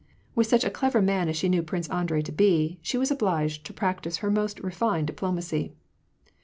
With such a clever man as she knew Prince Andrei to be, she was obliged to prac tise her most refined diplomacy.